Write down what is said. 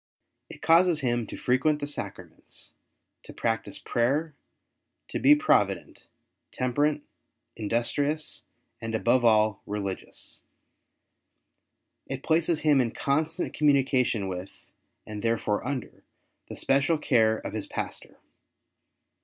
It causes him to frequent the sacraments, to practise prayer, to be provident^ temperate, industrious, and, above all, religious. It places him in constant communication with, and therefore under, the special care of his B 2 WAR OF ANTICHRIST WITH THE CHURCH. Pastor.